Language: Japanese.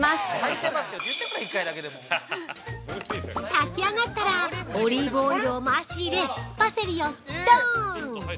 ◆炊き上がったらオリーブオイルを回し入れパセリをどーん。